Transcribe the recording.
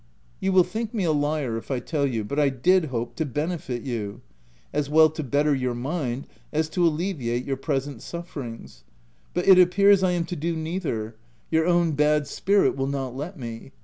" You will think me a liar if I tell you — but I did hope to benefit you : as well to better your mind, as to alleviate your present suffer ings ; but it appears I am to do neither — your OF WILDFELL HALL, 209 own bad spirit will not let me.